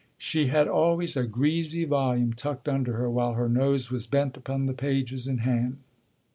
She had always a greasy volume tucked under her while her nose was bent upon the pages in hand.